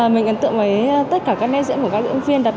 mình ấn tượng với tất cả các nét diễn của các diễn viên đặt